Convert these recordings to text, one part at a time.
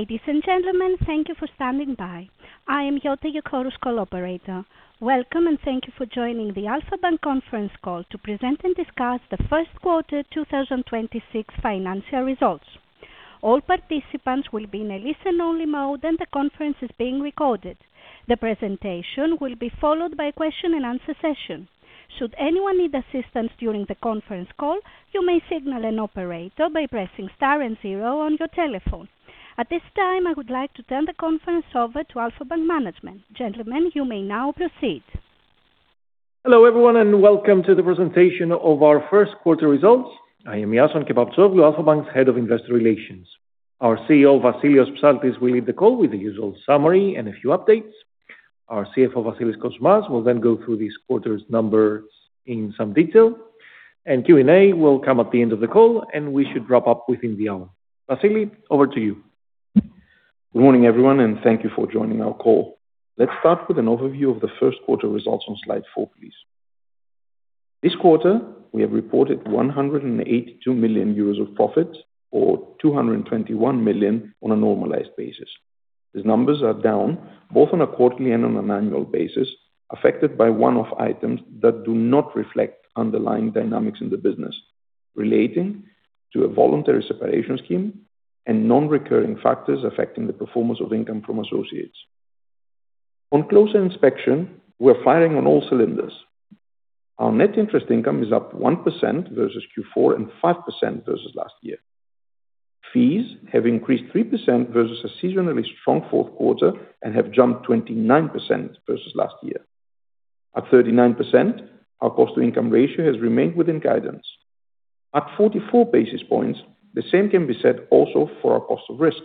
Ladies and gentlemen, thank you for standing by. I am Jutta Jokorus, Operator. Welcome, and thank you for joining the Alpha Bank conference call to present and discuss the first quarter 2026 financial results. All participants will be in a listen-only mode, and the conference is being recorded. The presentation will be followed by a question-and-answer session. Should anyone need assistance during the conference call, you may signal an operator by pressing star and zero on your telephone. At this time, I would like to turn the conference over to Alpha Bank management. Gentlemen, you may now proceed. Hello everyone, welcome to the presentation of our first quarter results. I am Iason Kepaptsoglou, Alpha Bank's Head of Investor Relations. Our CEO, Vassilios Psaltis, will lead the call with the usual summary and a few updates. Our CFO, Vassilios Kosmas, will go through this quarter's numbers in some detail. Q&A will come at the end of the call, we should wrap up within the hour. Vasilis, over to you. Good morning everyone, thank you for joining our call. Let's start with an overview of the first quarter results on slide four, please. This quarter, we have reported 182 million euros of profit, or 221 million, on a normalized basis. These numbers are down both on a quarterly and on an annual basis, affected by one-off items that do not reflect underlying dynamics in the business, relating to a voluntary separation scheme and non-recurring factors affecting the performance of income from associates. On closer inspection, we're firing on all cylinders. Our net interest income is up 1% versus Q4 and 5% versus last year. Fees have increased 3% versus a seasonally strong fourth quarter and have jumped 29% versus last year. At 39%, our cost-to-income ratio has remained within guidance. At 44 basis points, the same can be said also for our cost of risk.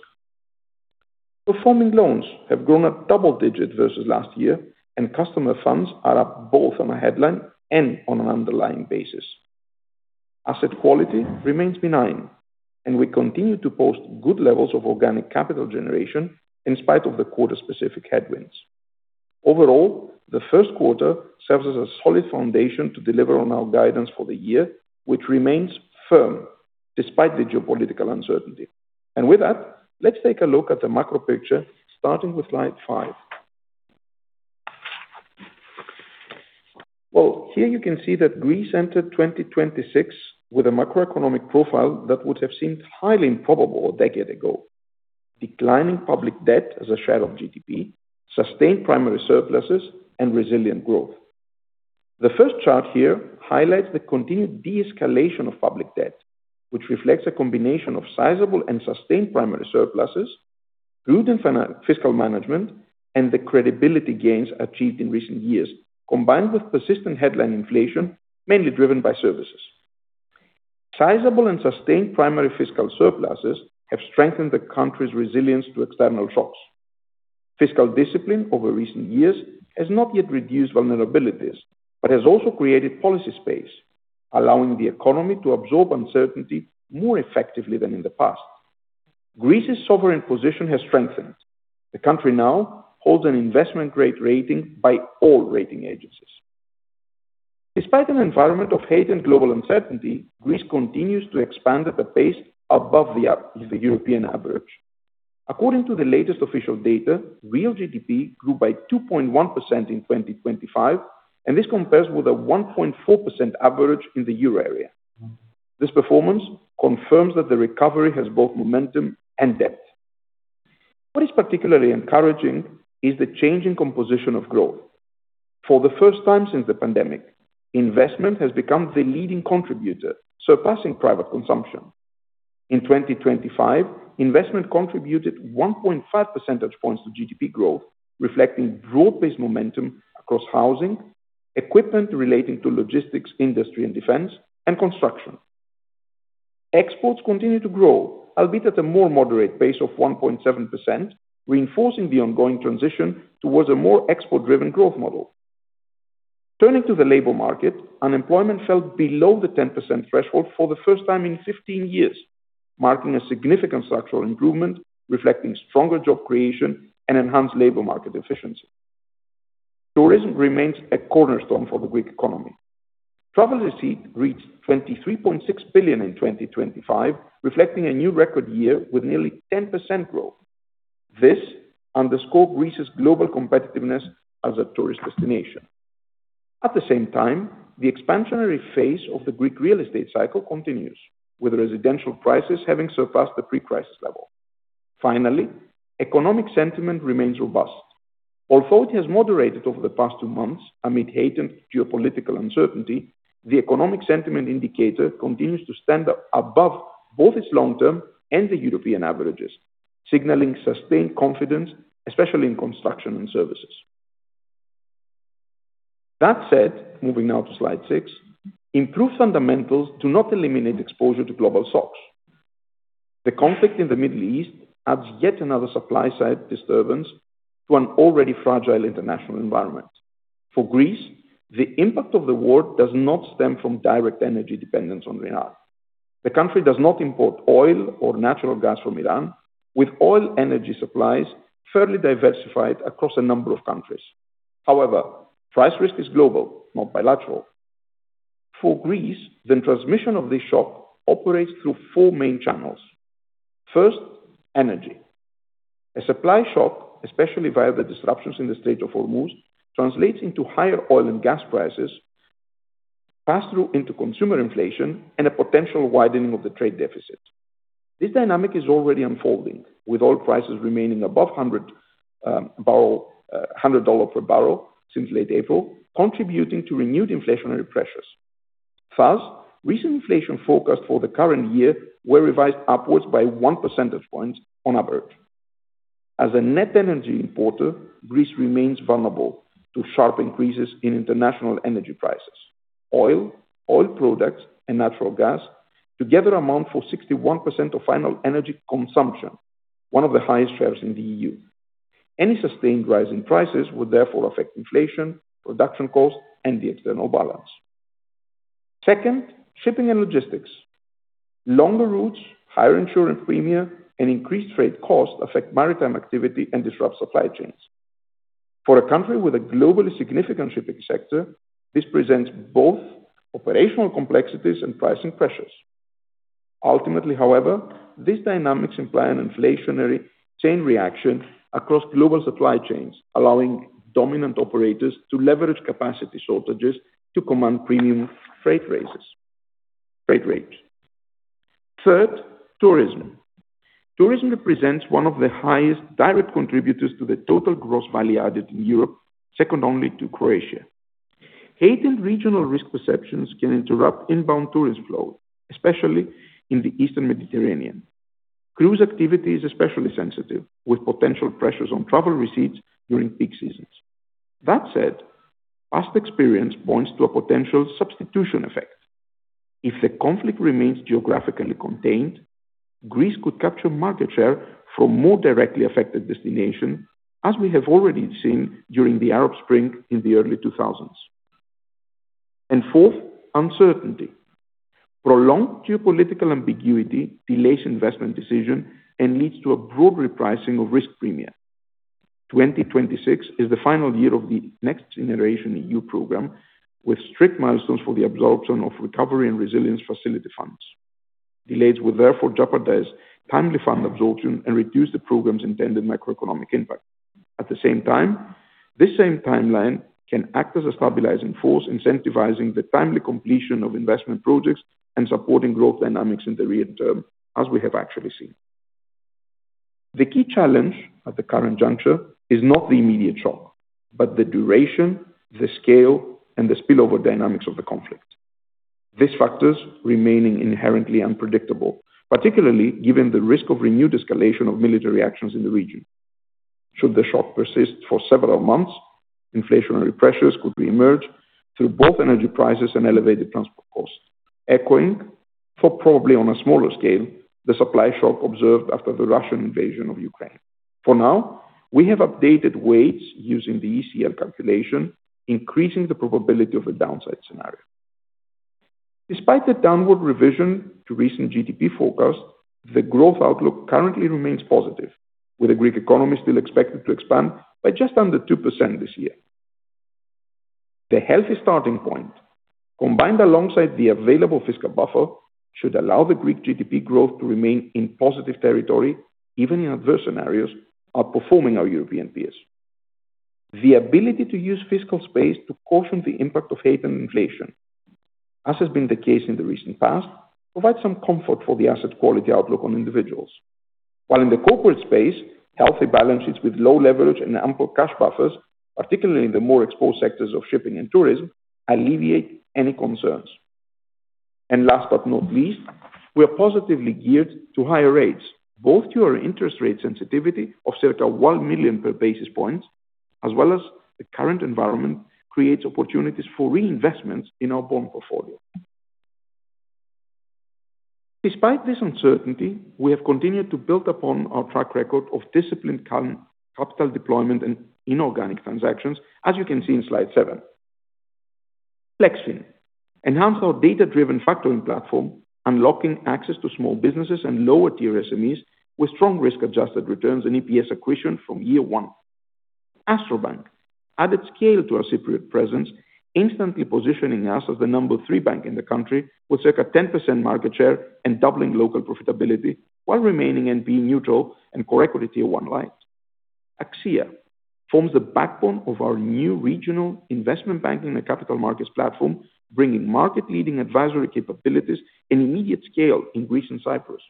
Performing loans have grown a double digit versus last year, and customer funds are up both on a headline and on an underlying basis. Asset quality remains benign, and we continue to post good levels of organic capital generation in spite of the quarter-specific headwinds. Overall, the first quarter serves as a solid foundation to deliver on our guidance for the year, which remains firm despite the geopolitical uncertainty. With that, let's take a look at the macro picture, starting with slide five. Well, here you can see that Greece entered 2026 with a macroeconomic profile that would have seemed highly improbable a decade ago: declining public debt as a share of GDP, sustained primary surpluses, and resilient growth. The first chart here highlights the continued de-escalation of public debt, which reflects a combination of sizable and sustained primary surpluses, prudent fiscal management, and the credibility gains achieved in recent years, combined with persistent headline inflation mainly driven by services. Sizable and sustained primary fiscal surpluses have strengthened the country's resilience to external shocks. Fiscal discipline over recent years has not yet reduced vulnerabilities but has also created policy space, allowing the economy to absorb uncertainty more effectively than in the past. Greece's sovereign position has strengthened. The country now holds an investment-grade rating by all rating agencies. Despite an environment of heightened global uncertainty, Greece continues to expand at a pace above the European average. According to the latest official data, real GDP grew by 2.1% in 2025, and this compares with a 1.4% average in the euro area. This performance confirms that the recovery has both momentum and depth. What is particularly encouraging is the changing composition of growth. For the first time since the pandemic, investment has become the leading contributor, surpassing private consumption. In 2025, investment contributed 1.5 percentage points to GDP growth, reflecting broad-based momentum across housing, equipment relating to logistics, industry, and defense, and construction. Exports continue to grow, albeit at a more moderate pace of 1.7%, reinforcing the ongoing transition towards a more export-driven growth model. Turning to the labor market, unemployment fell below the 10% threshold for the first time in 15 years, marking a significant structural improvement reflecting stronger job creation and enhanced labor market efficiency. Tourism remains a cornerstone for the Greek economy. Travel receipt reached 23.6 billion in 2025, reflecting a new record year with nearly 10% growth. This underscores Greece's global competitiveness as a tourist destination. At the same time, the expansionary phase of the Greek real estate cycle continues, with residential prices having surpassed the pre-crisis level. Finally, economic sentiment remains robust. Although it has moderated over the past two months amid heightened geopolitical uncertainty, the economic sentiment indicator continues to stand above both its long-term and the European averages, signaling sustained confidence, especially in construction and services. That said, moving now to slide six, improved fundamentals do not eliminate exposure to global shocks. The conflict in the Middle East adds yet another supply-side disturbance to an already fragile international environment. For Greece, the impact of the war does not stem from direct energy dependence on Iran. The country does not import oil or natural gas from Iran, with oil-energy supplies fairly diversified across a number of countries. However, price risk is global, not bilateral. For Greece, the transmission of this shock operates through four main channels. First, energy. A supply shock, especially via the disruptions in the Strait of Hormuz, translates into higher oil and gas prices, passed through into consumer inflation, and a potential widening of the trade deficit. This dynamic is already unfolding, with oil prices remaining above $100 per bbl since late April, contributing to renewed inflationary pressures. Thus, recent inflation focused for the current year were revised upwards by 1 percentage point on average. As a net energy importer, Greece remains vulnerable to sharp increases in international energy prices. Oil, oil products, and natural gas together amount for 61% of final energy consumption, one of the highest shares in the EU. Any sustained rise in prices would therefore affect inflation, production costs, and the external balance. Second, shipping and logistics. Longer routes, higher insurance premium, and increased trade costs affect maritime activity and disrupt supply chains. For a country with a globally significant shipping sector, this presents both operational complexities and pricing pressures. Ultimately, however, these dynamics imply an inflationary chain reaction across global supply chains, allowing dominant operators to leverage capacity shortages to command premium freight rates. Third, tourism. Tourism represents one of the highest direct contributors to the total gross value added in Europe, second only to Croatia. Heightened regional risk perceptions can interrupt inbound tourist flow, especially in the Eastern Mediterranean. Cruise activity is especially sensitive, with potential pressures on travel receipts during peak seasons. Past experience points to a potential substitution effect. If the conflict remains geographically contained, Greece could capture market share from more directly affected destinations, as we have already seen during the Arab Spring in the early 2000s. Fourth, uncertainty. Prolonged geopolitical ambiguity delays investment decisions and leads to a broad repricing of risk premiums. 2026 is the final year of the Next Generation EU program, with strict milestones for the absorption of Recovery and Resilience Facility funds. Delays would therefore jeopardize timely fund absorption and reduce the program's intended macroeconomic impact. At the same time, this same timeline can act as a stabilizing force, incentivizing the timely completion of investment projects and supporting growth dynamics in the rear term, as we have actually seen. The key challenge at the current juncture is not the immediate shock, but the duration, the scale, and the spillover dynamics of the conflict. These factors remain inherently unpredictable, particularly given the risk of renewed escalation of military actions in the region. Should the shock persist for several months, inflationary pressures could reemerge through both energy prices and elevated transport costs, echoing, probably on a smaller scale, the supply shock observed after the Russian invasion of Ukraine. For now, we have updated weights using the ECL calculation, increasing the probability of a downside scenario. Despite the downward revision to recent GDP forecasts, the growth outlook currently remains positive, with the Greek economy still expected to expand by just under 2% this year. The healthy starting point, combined alongside the available fiscal buffer, should allow the Greek GDP growth to remain in positive territory, even in adverse scenarios, outperforming our European peers. The ability to use fiscal space to caution the impact of heightened inflation, as has been the case in the recent past, provides some comfort for the asset quality outlook on individuals. While in the corporate space, healthy balance sheets with low leverage and ample cash buffers, particularly in the more exposed sectors of shipping and tourism, alleviate any concerns. Last but not least, we are positively geared to higher rates, both due to our interest rate sensitivity of circa 1 million per basis point, as well as the current environment creates opportunities for reinvestments in our bond portfolio. Despite this uncertainty, we have continued to build upon our track record of disciplined capital deployment and inorganic transactions, as you can see in slide seven. Flexfin: enhanced our data-driven factoring platform, unlocking access to small businesses and lower-tier SMEs with strong risk-adjusted returns and EPS accretion from year one. AstroBank: added scale to our Cypriot presence, instantly positioning us as the number three bank in the country with circa 10% market share and doubling local profitability while remaining NPV neutral and Common Equity Tier 1 light. AXIA: forms the backbone of our new regional investment banking and capital markets platform, bringing market-leading advisory capabilities and immediate scale in Greece and Cyprus.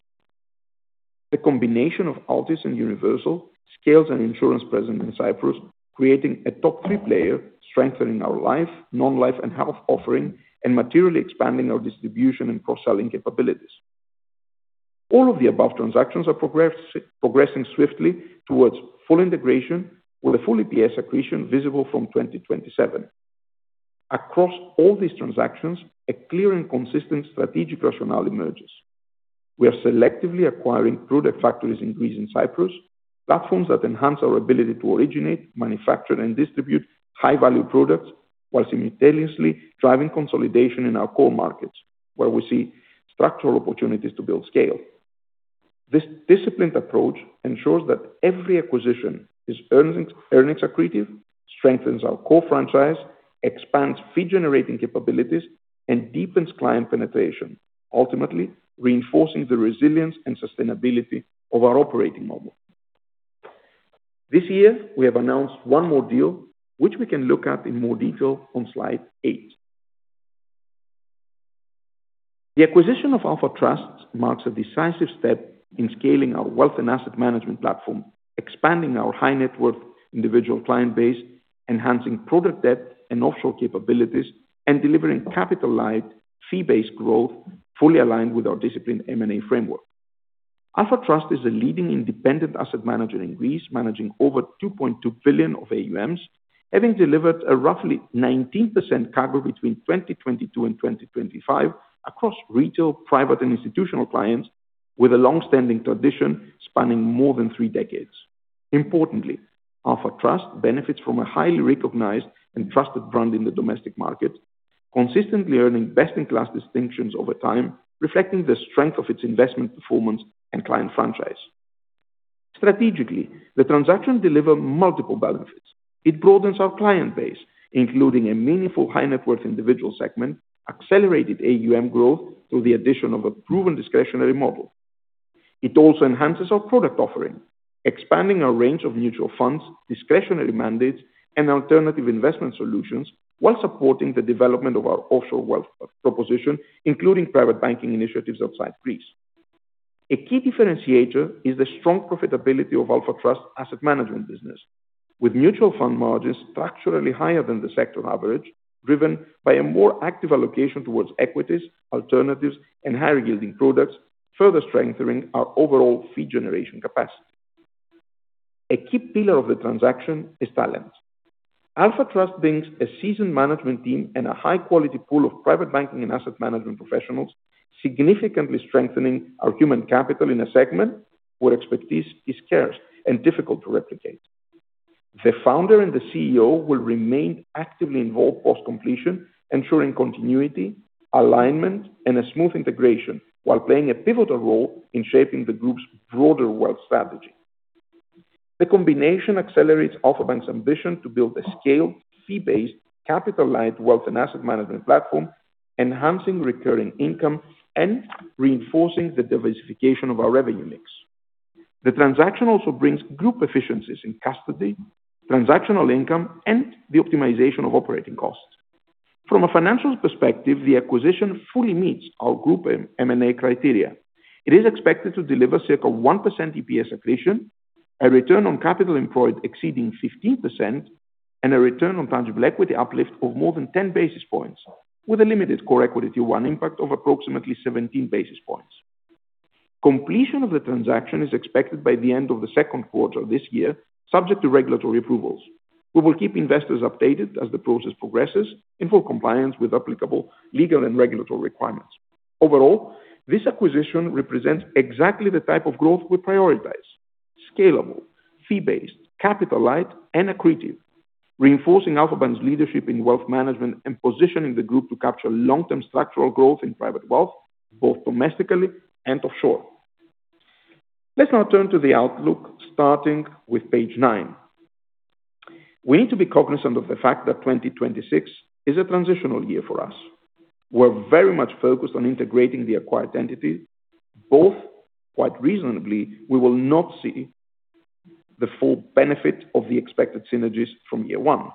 The combination of Altius and Universal Life Insurance scales our insurance presence in Cyprus, creating a top three player, strengthening our life, non-life, and health offering, and materially expanding our distribution and cross-selling capabilities. All of the above transactions are progressing swiftly towards full integration, with a full EPS accretion visible from 2027. Across all these transactions, a clear and consistent strategic rationale emerges: we are selectively acquiring product factories in Greece and Cyprus, platforms that enhance our ability to originate, manufacture, and distribute high-value products while simultaneously driving consolidation in our core markets, where we see structural opportunities to build scale. This disciplined approach ensures that every acquisition is earnings-accretive, strengthens our core franchise, expands fee-generating capabilities, and deepens client penetration, ultimately reinforcing the resilience and sustainability of our operating model. This year, we have announced one more deal, which we can look at in more detail on slide eight. The acquisition of Alpha Trust marks a decisive step in scaling our wealth and asset management platform, expanding our high-net-worth individual client base, enhancing product depth and offshore capabilities, and delivering capital-light, fee-based growth fully aligned with our disciplined M&A framework. Alpha Trust is a leading independent asset manager in Greece, managing over 2.2 billion of AUMs, having delivered a roughly 19% CAGR between 2022 and 2025 across retail, private, and institutional clients, with a longstanding tradition spanning more than three decades. Alpha Trust benefits from a highly recognized and trusted brand in the domestic market, consistently earning best-in-class distinctions over time, reflecting the strength of its investment performance and client franchise. The transactions deliver multiple benefits. It broadens our client base, including a meaningful high-net-worth individual segment, accelerated AUM growth through the addition of a proven discretionary model. It also enhances our product offering, expanding our range of mutual funds, discretionary mandates, and alternative investment solutions while supporting the development of our offshore wealth proposition, including private banking initiatives outside Greece. A key differentiator is the strong profitability of Alpha Trust's asset management business, with mutual fund margins structurally higher than the sector average, driven by a more active allocation towards equities, alternatives, and higher-yielding products, further strengthening our overall fee-generation capacity. A key pillar of the transaction is talent. Alpha Trust brings a seasoned management team and a high-quality pool of private banking and asset management professionals, significantly strengthening our human capital in a segment where expertise is scarce and difficult to replicate. The founder and the CEO will remain actively involved post-completion, ensuring continuity, alignment, and a smooth integration while playing a pivotal role in shaping the group's broader wealth strategy. The combination accelerates Alpha Bank's ambition to build a scaled, fee-based, capital-light wealth and asset management platform, enhancing recurring income and reinforcing the diversification of our revenue mix. The transaction also brings group efficiencies in custody, transactional income, and the optimization of operating costs. From a financial perspective, the acquisition fully meets our group M&A criteria. It is expected to deliver circa 1% EPS accretion, a return on capital employed exceeding 15%, and a return on tangible equity uplift of more than 10 basis points, with a limited Common Equity Tier 1 impact of approximately 17 basis points. Completion of the transaction is expected by the end of the second quarter of this year, subject to regulatory approvals. We will keep investors updated as the process progresses in full compliance with applicable legal and regulatory requirements. Overall, this acquisition represents exactly the type of growth we prioritize: scalable, fee-based, capital-light, and accretive, reinforcing Alpha Bank's leadership in wealth management and positioning the group to capture long-term structural growth in private wealth, both domestically and offshore. Let's now turn to the outlook, starting with page nine. We need to be cognizant of the fact that 2026 is a transitional year for us. We're very much focused on integrating the acquired entities. Both, quite reasonably, we will not see the full benefit of the expected synergies from year one.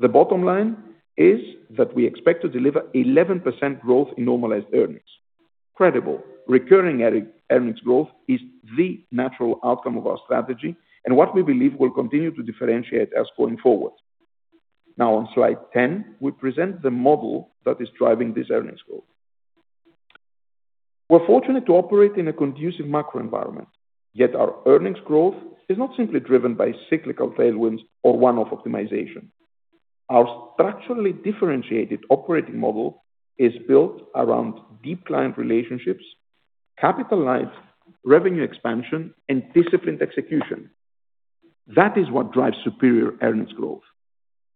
The bottom line is that we expect to deliver 11% growth in normalized earnings. Credible recurring earnings growth is the natural outcome of our strategy and what we believe will continue to differentiate us going forward. On slide 10, we present the model that is driving this earnings growth. We're fortunate to operate in a conducive macro environment, yet our earnings growth is not simply driven by cyclical tailwinds or one-off optimization. Our structurally differentiated operating model is built around deep client relationships, capital-light revenue expansion, and disciplined execution. That is what drives superior earnings growth.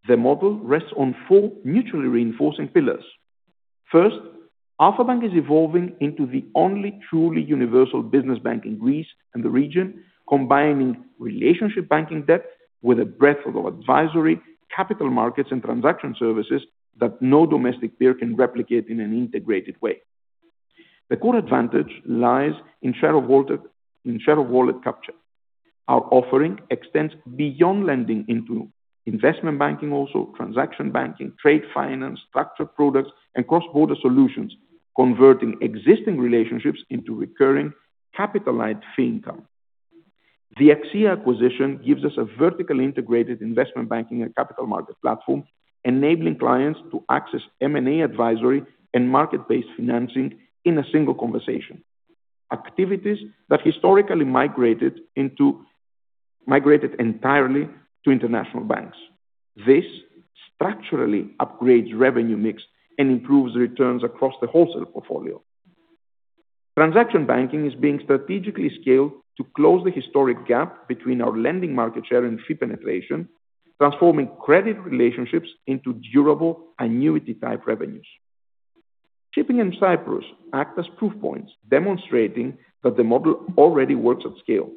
The model rests on four mutually reinforcing pillars. First, Alpha Bank is evolving into the only truly universal business bank in Greece and the region, combining relationship banking depth with a breadth of advisory, capital markets, and transaction services that no domestic peer can replicate in an integrated way. The core advantage lies in share of wallet capture. Our offering extends beyond lending into investment banking also, transaction banking, trade finance, structured products, and cross-border solutions, converting existing relationships into recurring capital-light fee income. The AXIA acquisition gives us a vertically integrated investment banking and capital market platform, enabling clients to access M&A advisory and market-based financing in a single conversation, activities that historically migrated entirely to international banks. This structurally upgrades revenue mix and improves returns across the wholesale portfolio. Transaction banking is being strategically scaled to close the historic gap between our lending market share and fee penetration, transforming credit relationships into durable annuity-type revenues. Shipping and Cyprus act as proof points, demonstrating that the model already works at scale: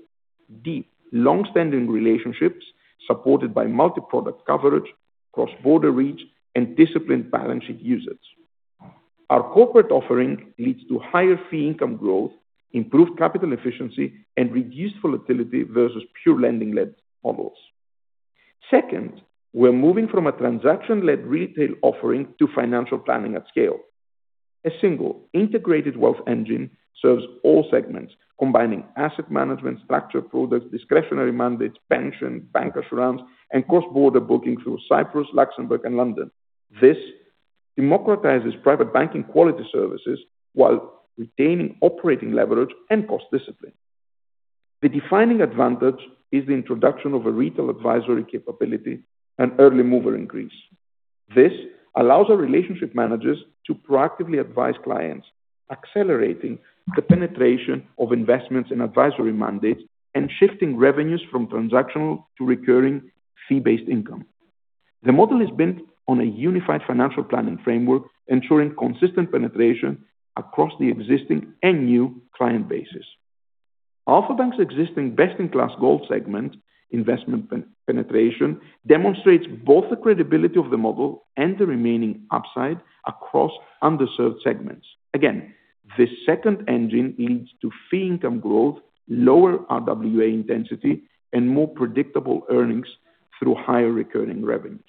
deep, longstanding relationships supported by multi-product coverage, cross-border reach, and disciplined balance sheet usage. Our corporate offering leads to higher fee income growth, improved capital efficiency, and reduced volatility versus pure lending-led models. Second, we're moving from a transaction-led retail offering to financial planning at scale. A single, integrated wealth engine serves all segments, combining asset management, structured products, discretionary mandates, pension, bancassurance, and cross-border booking through Cyprus, Luxembourg, and London. This democratizes private banking quality services while retaining operating leverage and cost discipline. The defining advantage is the introduction of a retail advisory capability and early mover in Greece. This allows our relationship managers to proactively advise clients, accelerating the penetration of investments and advisory mandates and shifting revenues from transactional to recurring fee-based income. The model is built on a unified financial planning framework, ensuring consistent penetration across the existing and new client bases. Alpha Bank's existing best-in-class Gold segment, investment penetration, demonstrates both the credibility of the model and the remaining upside across underserved segments. Again, this second engine leads to fee income growth, lower RWA intensity, and more predictable earnings through higher recurring revenues.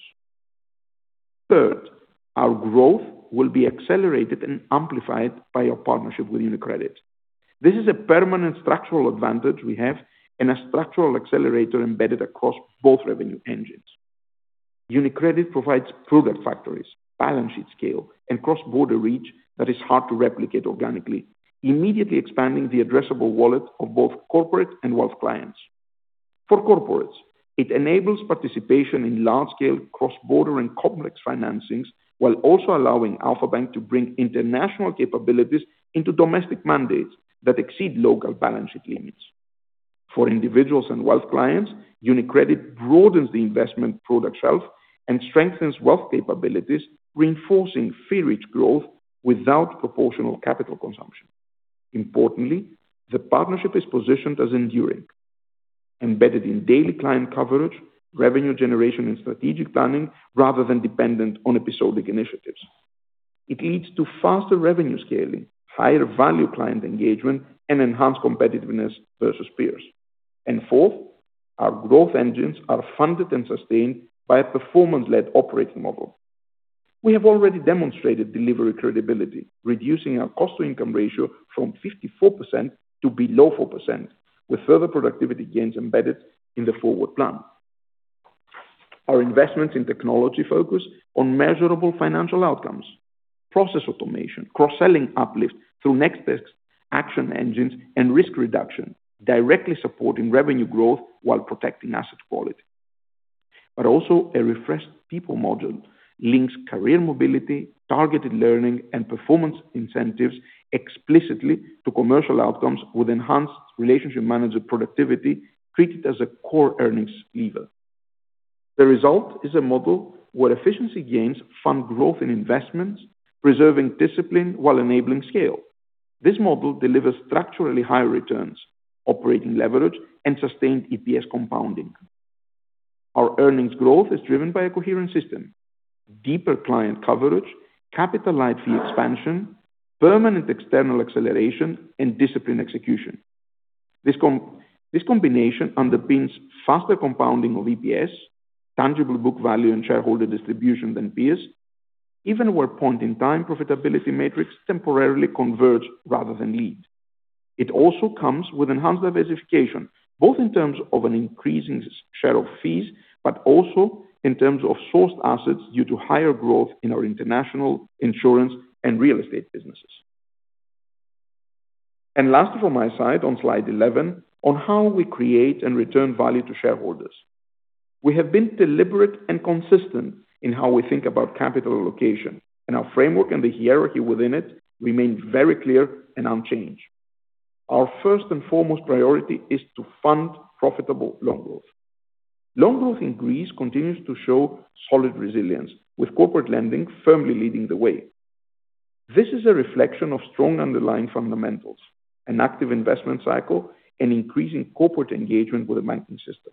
Third, our growth will be accelerated and amplified by our partnership with UniCredit. This is a permanent structural advantage we have and a structural accelerator embedded across both revenue engines. UniCredit provides product factories, balance sheet scale, and cross-border reach that is hard to replicate organically, immediately expanding the addressable wallet of both corporate and wealth clients. For corporates, it enables participation in large-scale, cross-border, and complex financings while also allowing Alpha Bank to bring international capabilities into domestic mandates that exceed local balance sheet limits. For individuals and wealth clients, UniCredit broadens the investment product shelf and strengthens wealth capabilities, reinforcing fee-rich growth without proportional capital consumption. Importantly, the partnership is positioned as enduring, embedded in daily client coverage, revenue generation, and strategic planning rather than dependent on episodic initiatives. It leads to faster revenue scaling, higher value client engagement, and enhanced competitiveness versus peers. Fourth, our growth engines are funded and sustained by a performance-led operating model. We have already demonstrated delivery credibility, reducing our cost-to-income ratio from 54% to below 40%, with further productivity gains embedded in the forward plan. Our investments in technology focus on measurable financial outcomes: process automation, cross-selling uplift through next-steps action engines, and risk reduction, directly supporting revenue growth while protecting asset quality. Also, a refreshed people module links career mobility, targeted learning, and performance incentives explicitly to commercial outcomes with enhanced relationship manager productivity treated as a core earnings lever. The result is a model where efficiency gains fund growth in investments, preserving discipline while enabling scale. This model delivers structurally higher returns, operating leverage, and sustained EPS compounding. Our earnings growth is driven by a coherent system: deeper client coverage, capital-light fee expansion, permanent external acceleration, and disciplined execution. This combination underpins faster compounding of EPS, tangible book value, and shareholder distribution than peers, even where point-in-time profitability metrics temporarily converge rather than lead. It also comes with enhanced diversification, both in terms of an increasing share of fees but also in terms of sourced assets due to higher growth in our international insurance and real estate businesses. Last from my side on slide 11, on how we create and return value to shareholders. We have been deliberate and consistent in how we think about capital allocation, and our framework and the hierarchy within it remain very clear and unchanged. Our first and foremost priority is to fund profitable loan growth. Long growth in Greece continues to show solid resilience, with corporate lending firmly leading the way. This is a reflection of strong underlying fundamentals, an active investment cycle, and increasing corporate engagement with the banking system.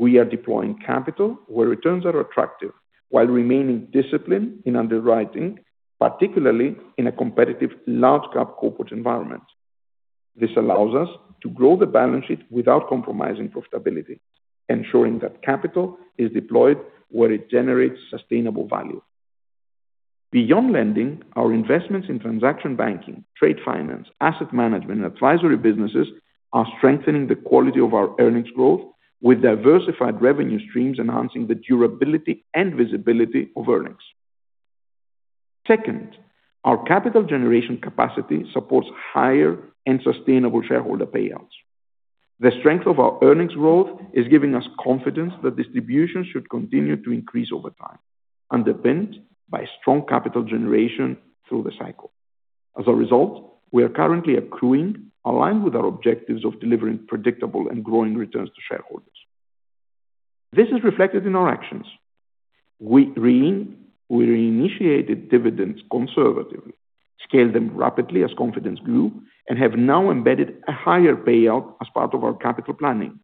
We are deploying capital where returns are attractive while remaining disciplined in underwriting, particularly in a competitive large-cap corporate environment. This allows us to grow the balance sheet without compromising profitability, ensuring that capital is deployed where it generates sustainable value. Beyond lending, our investments in transaction banking, trade finance, asset management, and advisory businesses are strengthening the quality of our earnings growth with diversified revenue streams enhancing the durability and visibility of earnings. Second, our capital generation capacity supports higher and sustainable shareholder payouts. The strength of our earnings growth is giving us confidence that distributions should continue to increase over time, underpinned by strong capital generation through the cycle. As a result, we are currently accruing, aligned with our objectives of delivering predictable and growing returns to shareholders. This is reflected in our actions. We reinitiated dividends conservatively, scaled them rapidly as confidence grew, and have now embedded a higher payout as part of our capital planning.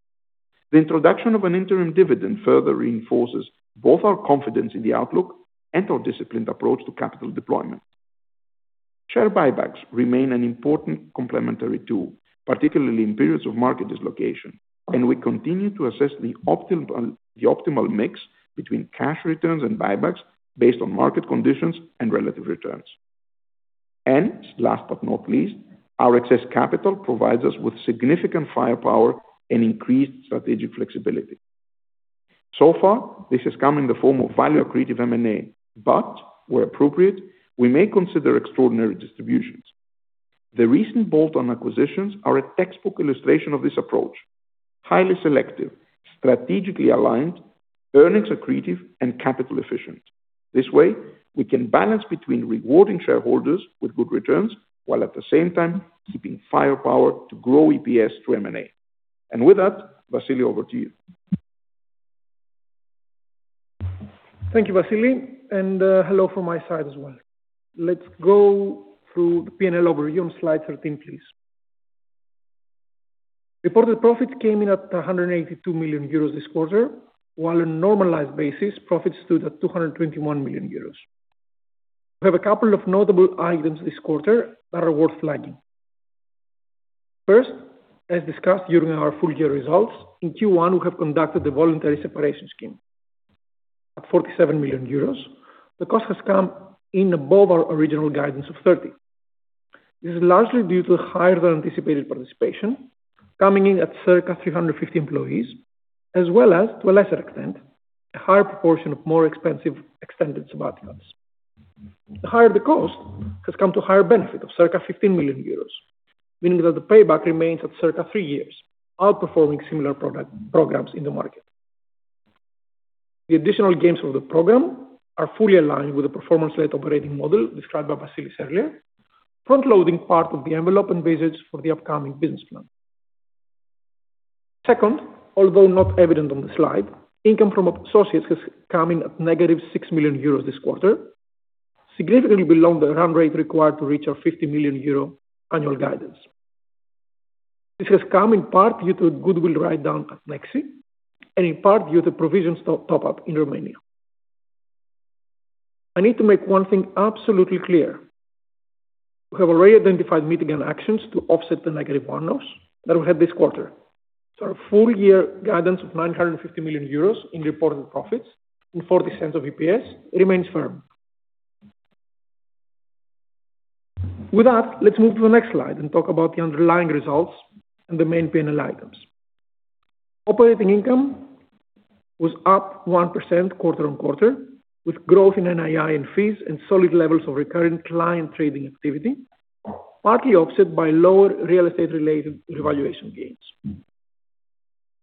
The introduction of an interim dividend further reinforces both our confidence in the outlook and our disciplined approach to capital deployment. Share buybacks remain an important complementary tool, particularly in periods of market dislocation, and we continue to assess the optimal mix between cash returns and buybacks based on market conditions and relative returns. Last but not least, our excess capital provides us with significant firepower and increased strategic flexibility. So far, this has come in the form of value-accretive M&A, but where appropriate, we may consider extraordinary distributions. The recent bolt-on acquisitions are a textbook illustration of this approach. Highly selective, strategically aligned, earnings-accretive, and capital-efficient. This way, we can balance between rewarding shareholders with good returns while at the same time keeping firepower to grow EPS through M&A. With that, Vasilis, over to you. Thank you, Vasilis. Hello from my side as well. Let's go through the P&L overview on slide 13, please. Reported profits came in at 182 million euros this quarter, while on a normalized basis, profits stood at 221 million euros. We have a couple of notable items this quarter that are worth flagging. First, as discussed during our full year results, in Q1, we have conducted the voluntary separation scheme. At 47 million euros, the cost has come in above our original guidance of 30 million. This is largely due to the higher-than-anticipated participation, coming in at circa 350 employees, as well as, to a lesser extent, a higher proportion of more expensive extended sabbaticals. The higher the cost has come to higher benefit of circa 15 million euros, meaning that the payback remains at circa three years, outperforming similar programs in the market. The additional gains of the program are fully aligned with the performance-led operating model described by Vasilis earlier, front-loading part of the envelope and visits for the upcoming business plan. Although not evident on the slide, income from associates has come in at 6 million euros this quarter, significantly below the run rate required to reach our 50 million euro annual guidance. This has come in part due to a goodwill write-down at Nexi and in part due to provision top-up in Romania. I need to make one thing absolutely clear. We have already identified mitigant actions to offset the negative one-offs that we had this quarter. Our full-year guidance of 950 million euros in reported profits and 0.40 of EPS remains firm. With that, let's move to the next slide and talk about the underlying results and the main P&L items. Operating income was up 1% quarter-on-quarter, with growth in NII and fees and solid levels of recurring client trading activity, partly offset by lower real estate-related revaluation gains.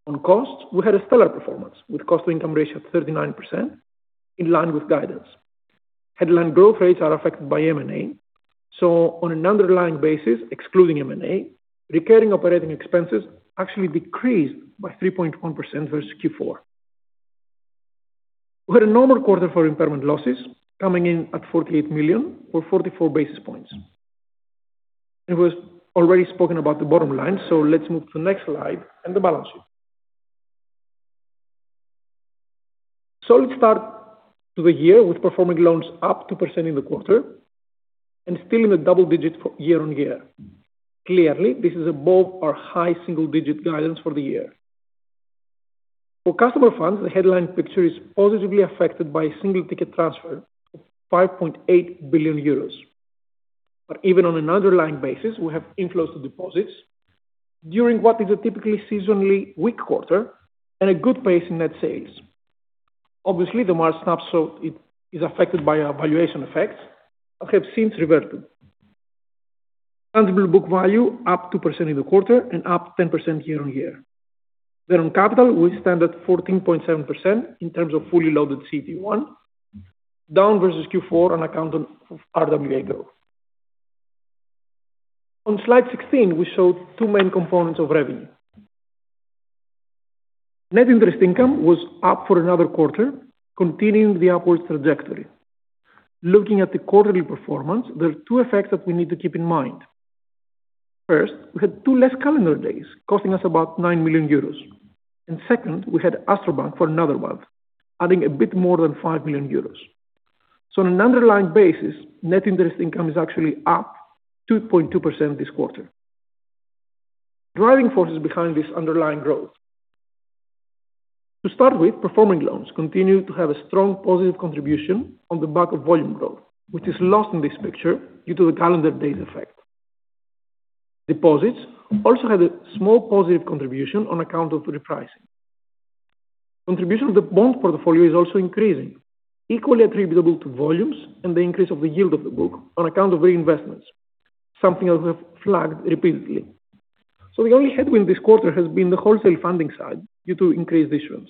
On costs, we had a stellar performance with cost-to-income ratio at 39%, in line with guidance. Headline growth rates are affected by M&A, so on an underlying basis, excluding M&A, recurring operating expenses actually decreased by 3.1% versus Q4. We had a normal quarter for impairment losses, coming in at 48 million or 44 basis points. We've already spoken about the bottom line, so let's move to the next slide and the balance sheet. Let's start the year with performing loans up 2% in the quarter and still in the double-digit year-on-year. Clearly, this is above our high single-digit guidance for the year. For customer funds, the headline picture is positively affected by a single-ticket transfer of 5.8 billion euros. Even on an underlying basis, we have inflows to deposits during what is a typically seasonally weak quarter and a good pace in net sales. Obviously, the March snapshot is affected by valuation effects that have since reverted. tangible book value up 2% in the quarter and up 10% year-on-year. On capital, we stand at 14.7% in terms of fully loaded CET1, down versus Q4 on account of RWA growth. On slide 16, we showed two main components of revenue. net interest income was up for another quarter, continuing the upward trajectory. Looking at the quarterly performance, there are two effects that we need to keep in mind. First, we had two less calendar days, costing us about 9 million euros. Second, we had AstroBank for another month, adding a bit more than 5 million euros. On an underlying basis, net interest income is actually up 2.2% this quarter. Driving forces behind this underlying growth. To start with, performing loans continue to have a strong positive contribution on the back of volume growth, which is lost in this picture due to the calendar days effect. Deposits also had a small positive contribution on account of repricing. Contribution of the bond portfolio is also increasing, equally attributable to volumes and the increase of the yield of the book on account of reinvestments, something that we have flagged repeatedly. The only headwind this quarter has been the wholesale funding side due to increased issuance.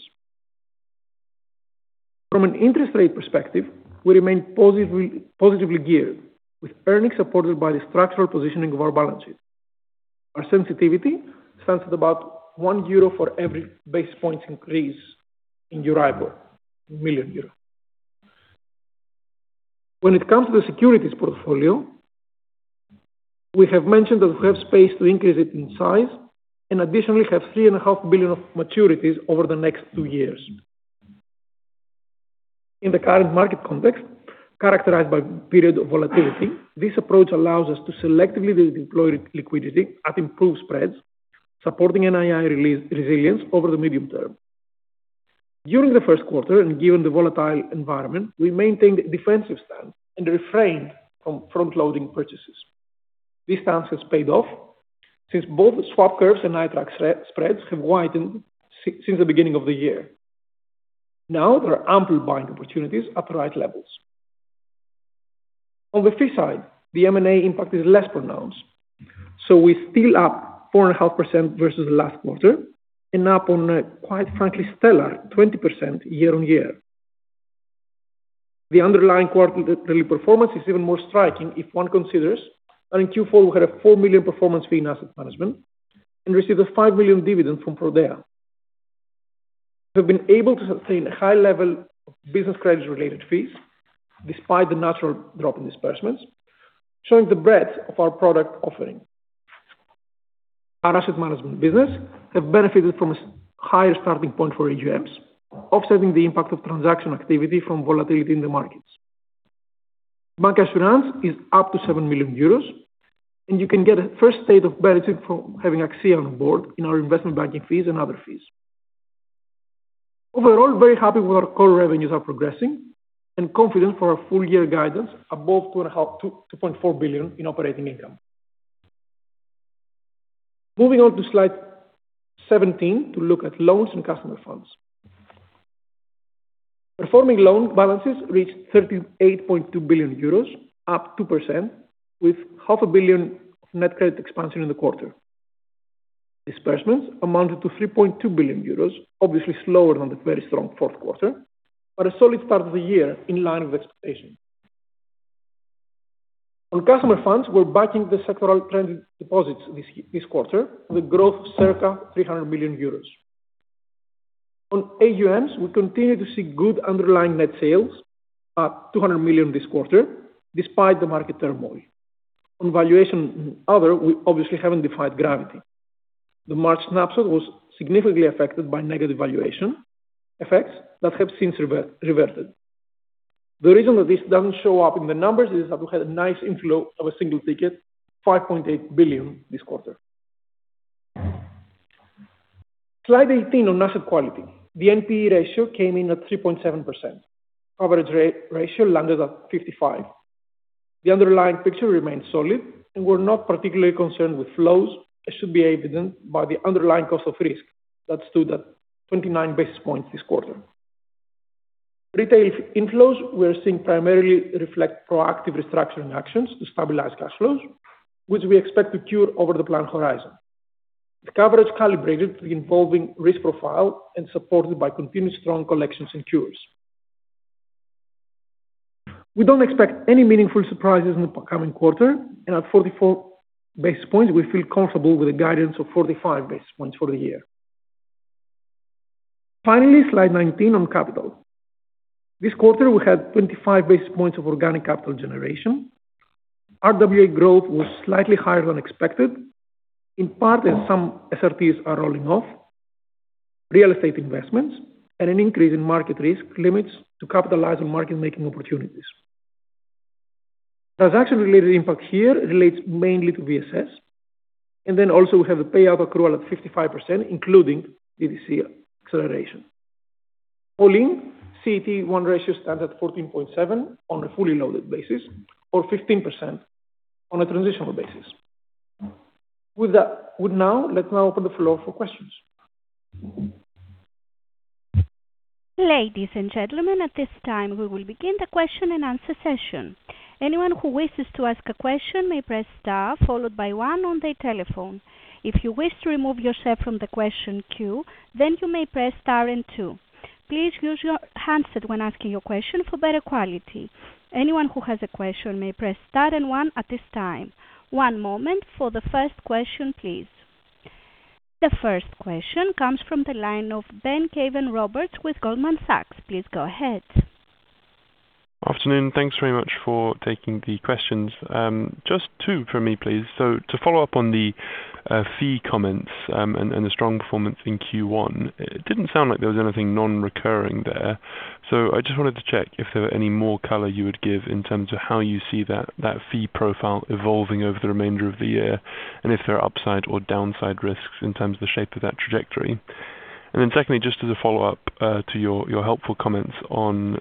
From an interest rate perspective, we remain positively geared, with earnings supported by the structural positioning of our balance sheet. Our sensitivity stands at about 1 euro for every basis points increase in Euribor, 1 million euro. When it comes to the securities portfolio, we have mentioned that we have space to increase it in size and additionally have 3.5 billion of maturities over the next two years. In the current market context, characterized by a period of volatility, this approach allows us to selectively deploy liquidity at improved spreads, supporting NII resilience over the medium term. During the first quarter and given the volatile environment, we maintained a defensive stance and refrained from front-loading purchases. This stance has paid off since both swap curves and iTraxx spreads have widened since the beginning of the year. Now, there are ample buying opportunities at the right levels. On the fee side, the M&A impact is less pronounced, so we're still up 4.5% versus last quarter and up on a, quite frankly, stellar 20% year-on-year. The underlying quarterly performance is even more striking if one considers that in Q4, we had a 4 million performance fee in asset management and received a 5 million dividend from Prodea. We have been able to sustain a high level of business credit-related fees despite the natural drop in disbursements, showing the breadth of our product offering. Our asset management business has benefited from a higher starting point for AUMs, offsetting the impact of transaction activity from volatility in the markets. Bank assurance is up to 7 million euros, and you can get a first state of benefit from having AXIA on board in our investment banking fees and other fees. Overall, very happy with our core revenues are progressing and confident for our full-year guidance above 2.4 billion in operating income. Moving on to slide 17 to look at loans and customer funds. Performing loan balances reached 38.2 billion euros, up 2%, with 500,000,000 of net credit expansion in the quarter. Disbursements amounted to 3.2 billion euros, obviously slower than the very strong fourth quarter, but a solid start of the year in line with expectations. On customer funds, we're backing the sectoral trend in deposits this quarter with a growth of circa 300 million euros. On AUMs, we continue to see good underlying net sales, up 200 million this quarter despite the market turmoil. On valuation and other, we obviously haven't defined gravity. The March snapshot was significantly affected by negative valuation effects that have since reverted. The reason that this doesn't show up in the numbers is that we had a nice inflow of a single ticket, 5.8 billion, this quarter. Slide 18 on asset quality. The NPE ratio came in at 3.7%, coverage ratio landed at 55%. The underlying picture remained solid, and we're not particularly concerned with flows, as should be evident by the underlying cost of risk that stood at 29 basis points this quarter. Retail inflows, we are seeing primarily reflect proactive restructuring actions to stabilize cash flows, which we expect to cure over the planned horizon, with coverage calibrated to the involving risk profile and supported by continued strong collections and cures. We don't expect any meaningful surprises in the upcoming quarter, and at 44 basis points, we feel comfortable with a guidance of 45 basis points for the year. Finally, slide 19 on capital. This quarter, we had 25 basis points of organic capital generation. RWA growth was slightly higher than expected, in part as some SRTs are rolling off, real estate investments, and an increase in market risk limits to capitalize on market-making opportunities. Transaction-related impact here relates mainly to VSS, and also we have the payout accrual at 55%, including DTC acceleration. All in, CET1 ratio stands at 14.7% on a fully loaded basis or 15% on a transitional basis. With that, let's now open the floor for questions. Ladies and gentlemen, at this time, we will begin the question-and-answer session. Anyone who wishes to ask a question may press star followed by one on their telephone. If you wish to remove yourself from the question queue, then you may press star and two. Please use your handset when asking your question for better quality. Anyone who has a question may press star and one at this time. One moment for the first question, please. The first question comes from the line of Ben Caven-Roberts with Goldman Sachs. Please go ahead. Good afternoon. Thanks very much for taking the questions. Just two from me, please. To follow up on the fee comments and the strong performance in Q1, it didn't sound like there was anything non-recurring there. I just wanted to check if there were any more color you would give in terms of how you see that fee profile evolving over the remainder of the year and if there are upside or downside risks in terms of the shape of that trajectory. Secondly, just as a follow-up to your helpful comments on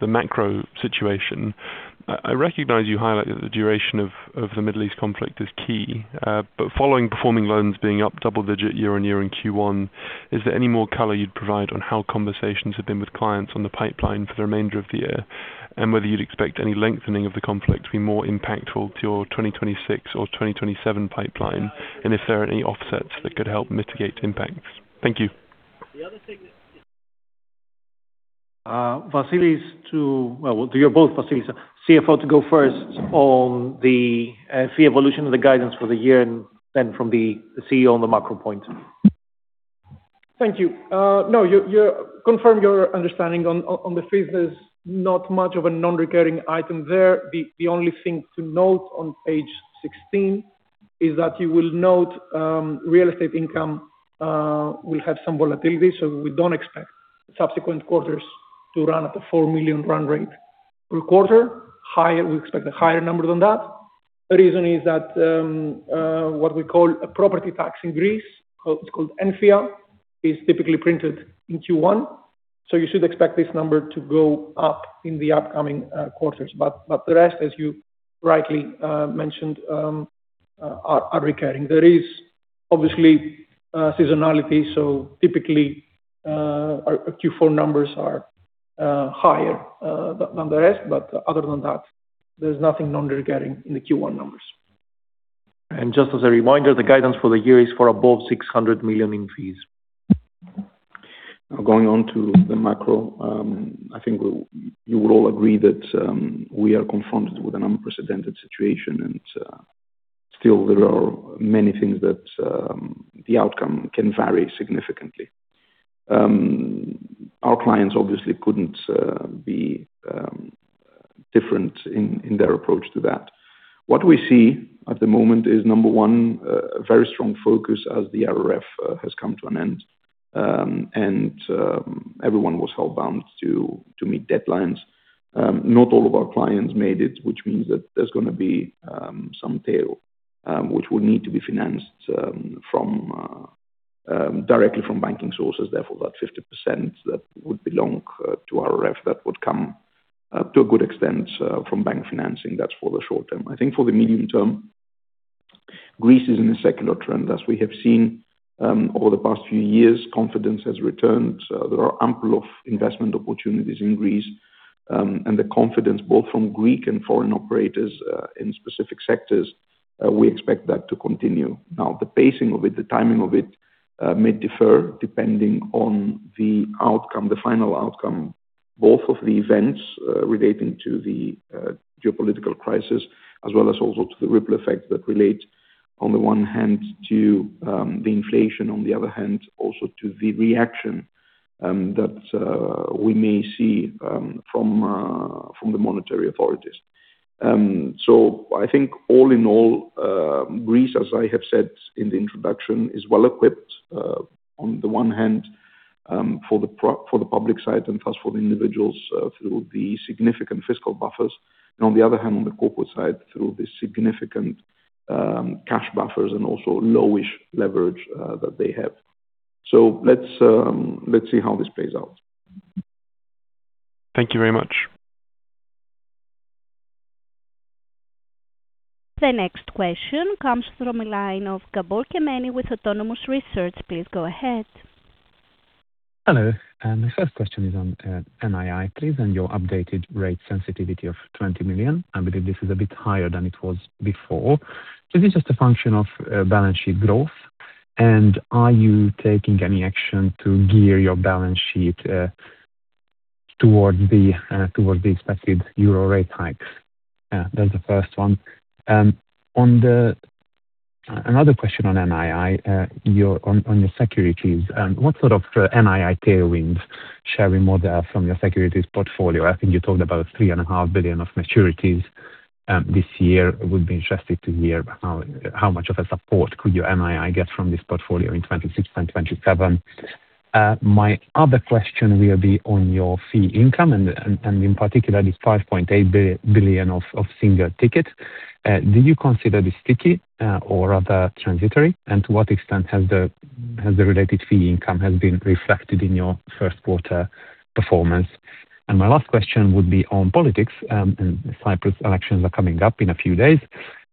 the macro situation, I recognize you highlighted that the duration of the Middle East conflict is key. Following performing loans being up double-digit year-over-year in Q1, is there any more color you'd provide on how conversations have been with clients on the pipeline for the remainder of the year and whether you'd expect any lengthening of the conflict to be more impactful to your 2026 or 2027 pipeline and if there are any offsets that could help mitigate impacts? Thank you. Vassilios, to well, you're both Vassilios. CFO, to go first on the fee evolution and the guidance for the year and then from the CEO on the macro point. Thank you. Confirm your understanding on the fees. There's not much of a non-recurring item there. The only thing to note on page 16 is that you will note real estate income will have some volatility, so we don't expect subsequent quarters to run at a 4 million run rate per quarter. We expect a higher number than that. The reason is that what we call a property tax in Greece, it's called ENFIA, is typically printed in Q1. You should expect this number to go up in the upcoming quarters. The rest, as you rightly mentioned, are recurring. There is obviously seasonality, so typically, Q4 numbers are higher than the rest. Other than that, there's nothing non-recurring in the Q1 numbers. Just as a reminder, the guidance for the year is for above 600 million in fees. Now, going on to the macro, I think you would all agree that we are confronted with an unprecedented situation, and still, there are many things that the outcome can vary significantly. Our clients obviously couldn't be different in their approach to that. What we see at the moment is, number one, a very strong focus as the RRF has come to an end, and everyone was held bound to meet deadlines. Not all of our clients made it, which means that there's going to be some tail, which will need to be financed directly from banking sources. Therefore, that 50% that would belong to RRF, that would come to a good extent from bank financing. That's for the short term. I think for the medium term, Greece is in a secular trend. As we have seen over the past few years, confidence has returned. There are ample investment opportunities in Greece, and the confidence both from Greek and foreign operators in specific sectors, we expect that to continue. The pacing of it, the timing of it, may differ depending on the final outcome, both of the events relating to the geopolitical crisis as well as also to the ripple effects that relate, on the one hand, to the inflation, on the other hand, also to the reaction that we may see from the monetary authorities. I think all in all, Greece, as I have said in the introduction, is well-equipped, on the one hand, for the public side and thus for the individuals through the significant fiscal buffers, and on the other hand, on the corporate side through the significant cash buffers and also lowish leverage that they have. Let's see how this plays out. Thank you very much. The next question comes from the line of Gabor Kemeny with Autonomous Research. Please go ahead. Hello. My first question is on NII, please, and your updated rate sensitivity of 20 million. I believe this is a bit higher than it was before. Is this just a function of balance sheet growth, and are you taking any action to gear your balance sheet towards the expected Euro rate hikes? Yeah, that's the first one. Another question on NII, on your securities. What sort of NII tailwind share we model from your securities portfolio? I think you talked about 3.5 billion of maturities this year. I would be interested to hear how much of a support could your NII get from this portfolio in 2016, 2017. My other question will be on your fee income, and in particular, this 5.8 billion of single ticket. Do you consider this sticky or rather transitory? To what extent has the related fee income been reflected in your first quarter performance? My last question would be on politics. Cyprus elections are coming up in a few days.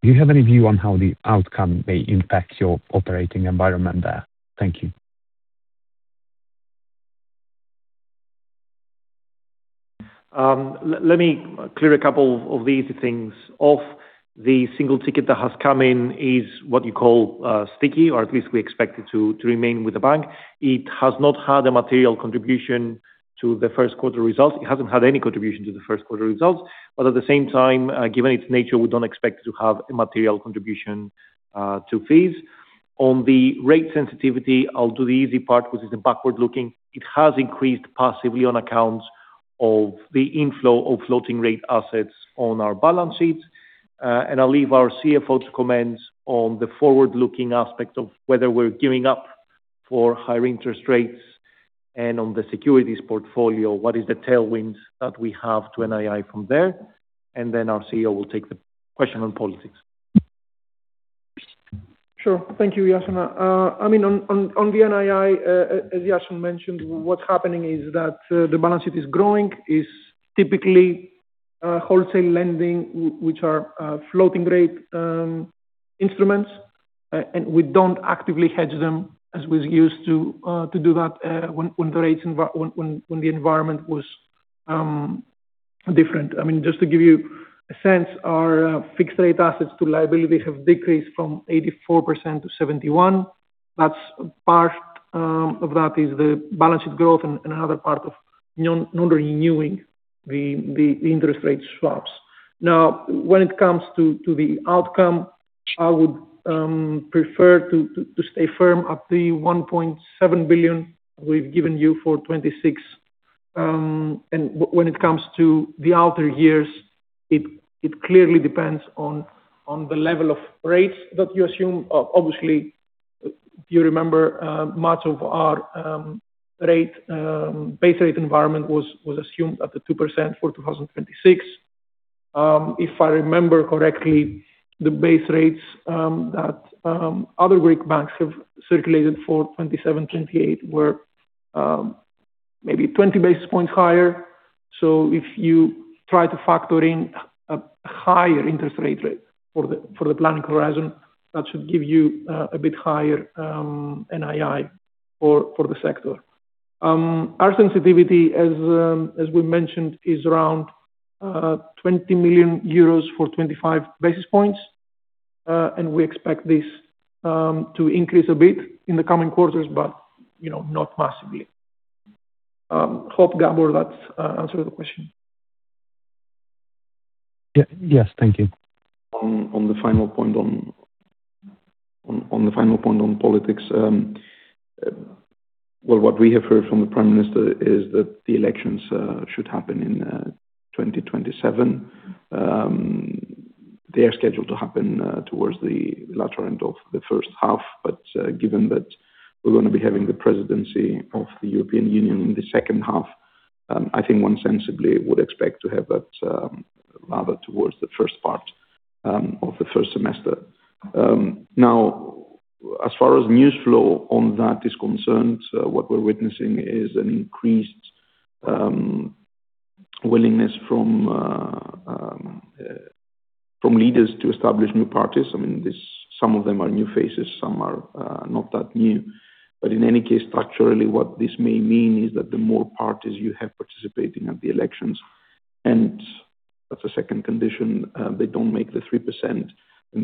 Do you have any view on how the outcome may impact your operating environment there? Thank you. Let me clear a couple of these things off. The single ticket that has come in is what you call sticky, or at least we expect it to remain with the bank. It has not had a material contribution to the first quarter results. It hasn't had any contribution to the first quarter results, but at the same time, given its nature, we don't expect it to have a material contribution to fees. On the rate sensitivity, I'll do the easy part, which is the backward-looking. It has increased passively on account of the inflow of floating rate assets on our balance sheets, and I'll leave our CFO to comment on the forward-looking aspect of whether we're gearing up for higher interest rates and on the securities portfolio, what is the tailwind that we have to NII from there. Our CEO will take the question on politics. Sure. Thank you, Iason. I mean, on the NII, as Iason mentioned, what's happening is that the balance sheet is growing. It's typically wholesale lending, which are floating rate instruments, we don't actively hedge them as we're used to do that when the rates and when the environment was different. I mean, just to give you a sense, our fixed-rate assets to liability have decreased from 84%-71%. Part of that is the balance sheet growth and another part of non-renewing the interest rate swaps. Now, when it comes to the outcome, I would prefer to stay firm at the 1.7 billion we've given you for 2026. When it comes to the outer years, it clearly depends on the level of rates that you assume. Obviously, if you remember, much of our base rate environment was assumed at the 2% for 2026. If I remember correctly, the base rates that other Greek banks have circulated for 2027, 2028 were maybe 20 basis points higher. If you try to factor in a higher interest rate for the planning horizon, that should give you a bit higher NII for the sector. Our sensitivity, as we mentioned, is around 20 million euros for 25 basis points, and we expect this to increase a bit in the coming quarters, but not massively. Hope, Gabor, that answered the question. Yes, thank you. On the final point on politics. Well, what we have heard from the Prime Minister is that the elections should happen in 2027. They are scheduled to happen towards the latter end of the first half. Given that we're going to be having the presidency of the European Union in the second half, I think one sensibly would expect to have that rather towards the first part of the first semester. As far as news flow on that is concerned, what we're witnessing is an increased willingness from leaders to establish new parties. I mean, some of them are new faces. Some are not that new. In any case, structurally, what this may mean is that the more parties you have participating at the elections and that's a second condition, they don't make the 3%.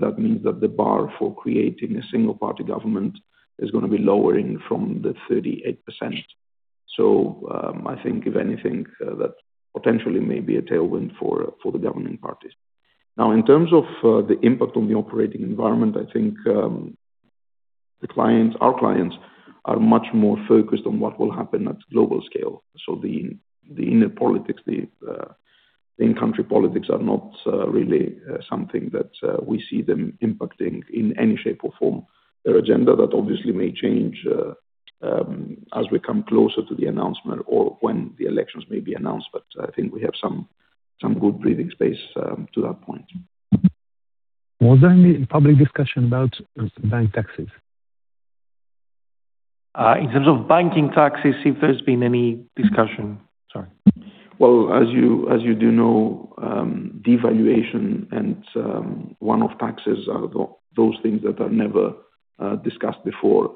That means that the bar for creating a single-party government is going to be lowering from the 38%. I think, if anything, that potentially may be a tailwind for the governing parties. In terms of the impact on the operating environment, I think our clients are much more focused on what will happen at global scale. The inner politics, the in-country politics, are not really something that we see them impacting in any shape or form. Their agenda, that obviously may change as we come closer to the announcement or when the elections may be announced. I think we have some good breathing space to that point. Was there any public discussion about bank taxes? In terms of banking taxes, if there's been any discussion? Sorry. Well, as you do know, devaluation and one-off taxes are those things that are never discussed before.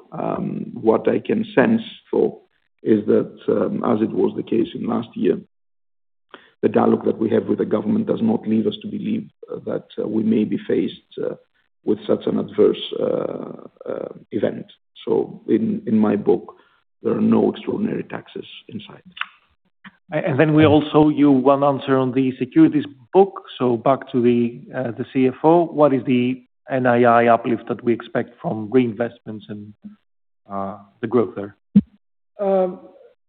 What I can sense, though, is that as it was the case in last year, the dialogue that we have with the government does not leave us to believe that we may be faced with such an adverse event. In my book, there are no extraordinary taxes in sight. We also hear one answer on the securities book. Back to the CFO. What is the NII uplift that we expect from reinvestments and the growth there?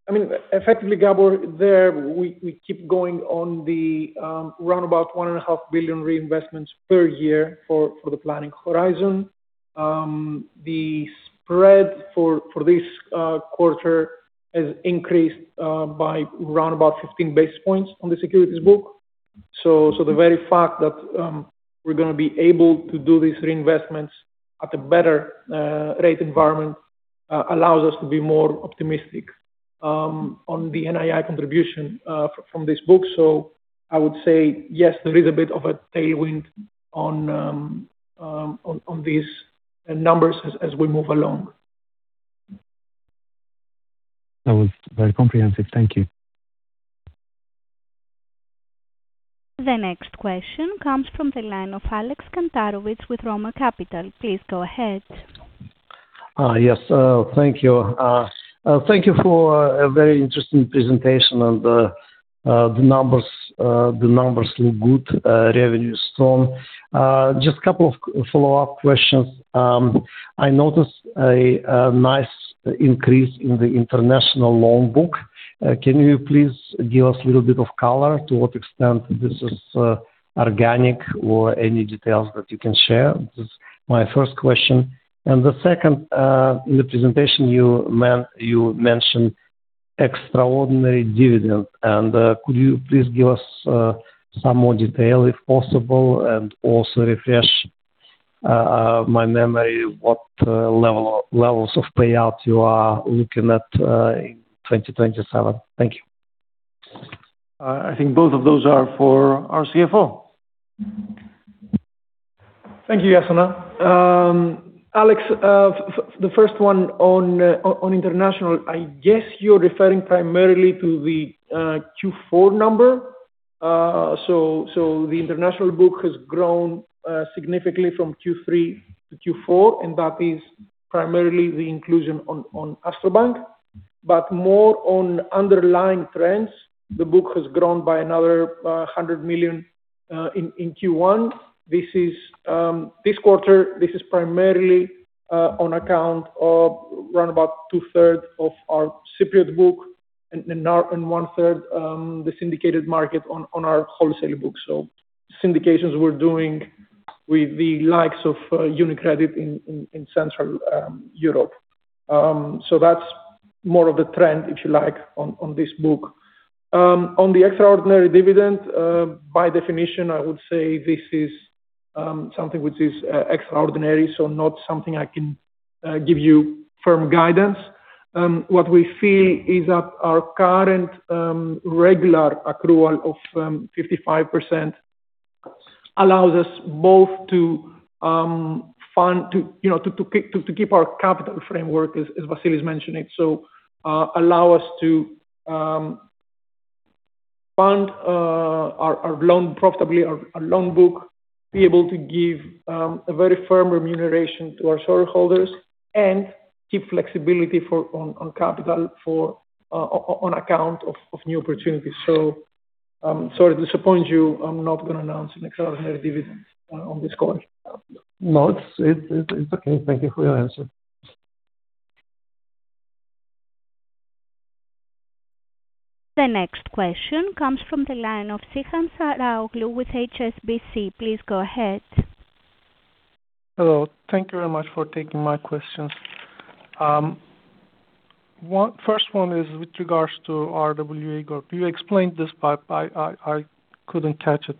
I mean, effectively, Gabor, there, we keep going on the roundabout 1.5 billion reinvestments per year for the planning horizon. The spread for this quarter has increased by roundabout 15 basis points on the securities book. The very fact that we're going to be able to do these reinvestments at a better rate environment allows us to be more optimistic on the NII contribution from this book. I would say, yes, there is a bit of a tailwind on these numbers as we move along. That was very comprehensive. Thank you. The next question comes from the line of Alex Kantarovich with Roemer Capital. Please go ahead. Yes. Thank you. Thank you for a very interesting presentation. The numbers look good. Revenue is strong. Just a couple of follow-up questions. I noticed a nice increase in the international loan book. Can you please give us a little bit of color to what extent this is organic or any details that you can share? This is my first question. The second, in the presentation, you mentioned extraordinary dividend. Could you please give us some more detail, if possible, and also refresh my memory what levels of payout you are looking at in 2027? Thank you. I think both of those are for our CFO. Thank you, Iason. Alex, the first one on international, I guess you're referring primarily to the Q4 number. The international book has grown significantly from Q3 to Q4, and that is primarily the inclusion on AstroBank. More on underlying trends, the book has grown by another 100 million in Q1. This quarter, this is primarily on account of roundabout 2/3 of our Cyprus book and 1/3, the syndicated market, on our wholesale book. Syndications we're doing with the likes of UniCredit in Central Europe. That's more of the trend, if you like, on this book. On the extraordinary dividend, by definition, I would say this is something which is extraordinary, so not something I can give you firm guidance. What we feel is that our current regular accrual of 55% allows us both to keep our capital framework, as Vasilis mentioned it, so allow us to fund our loan profitably, our loan book, be able to give a very firm remuneration to our shareholders, and keep flexibility on capital on account of new opportunities. Sorry to disappoint you. I'm not going to announce an extraordinary dividend on this call. No, it's okay. Thank you for your answer. The next question comes from the line of Cihan Saraoğlu with HSBC. Please go ahead. Hello. Thank you very much for taking my questions. First one is with regards to RWA growth. You explained this, but I couldn't catch it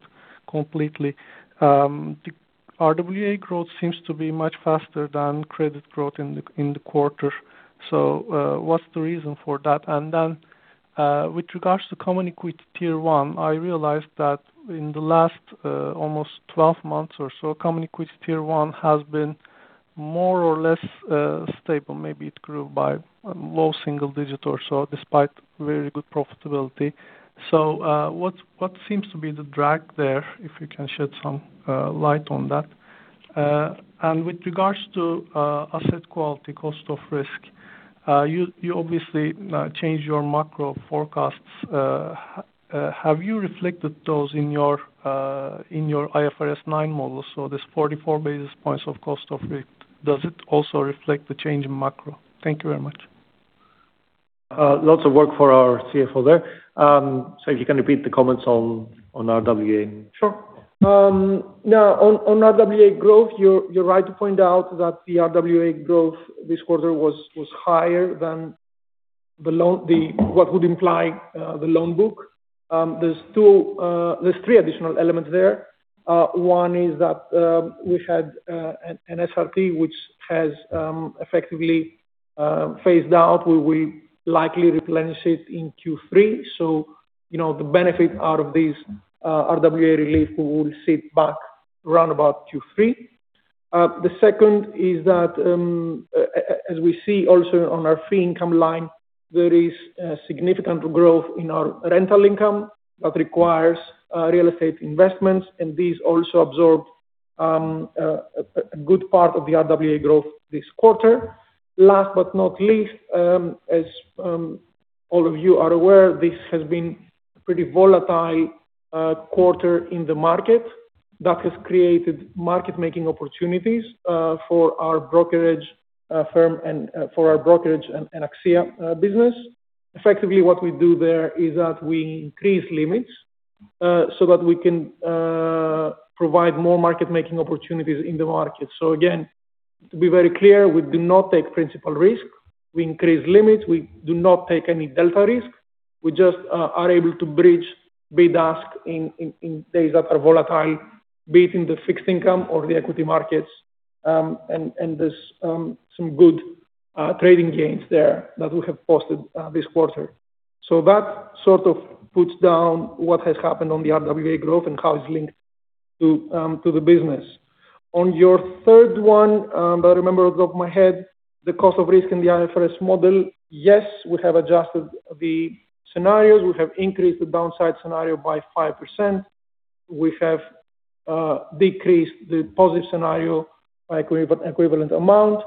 completely. RWA growth seems to be much faster than credit growth in the quarter. What's the reason for that? With regards to Common Equity Tier 1, I realized that in the last almost 12 months or so, Common Equity Tier 1 has been more or less stable. Maybe it grew by a low single-digit or so despite very good profitability. What seems to be the drag there, if you can shed some light on that? With regards to asset quality, cost of risk, you obviously change your macro forecasts. Have you reflected those in your IFRS 9 model? This 44 basis points of cost of risk, does it also reflect the change in macro? Thank you very much. Lots of work for our CFO there. If you can repeat the comments on RWA. Sure. On RWA growth, you're right to point out that the RWA growth this quarter was higher than what would imply the loan book. There are three additional elements there. One is that we had an SRT, which has effectively phased out. We will likely replenish it in Q3. The benefit out of this RWA relief will sit back roundabout Q3. The second is that, as we see also on our fee income line, there is significant growth in our rental income that requires real estate investments. These also absorbed a good part of the RWA growth this quarter. Last but not least, as all of you are aware, this has been a pretty volatile quarter in the market that has created market-making opportunities for our brokerage firm and for our brokerage and AXIA business. Effectively, what we do there is that we increase limits so that we can provide more market-making opportunities in the market. Again, to be very clear, we do not take principal risk. We increase limits. We do not take any delta risk. We just are able to bridge bid-ask in days that are volatile, be it in the fixed income or the equity markets. There's some good trading gains there that we have posted this quarter. That sort of puts down what has happened on the RWA growth and how it's linked to the business. On your third one, that I remember off the top of my head, the cost of risk in the IFRS model, yes, we have adjusted the scenarios. We have increased the downside scenario by 5%. We have decreased the positive scenario by an equivalent amount.